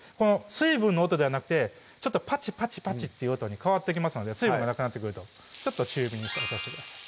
水分の音ではなくてパチパチパチっていう音に変わってきますので水分がなくなってくるとちょっと中火に落としてください